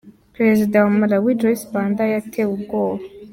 Perezida wa Malawi, Joyce Banda yatewe ubwoba.